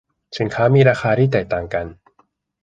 สินค้ามีราคาที่แตกต่างกัน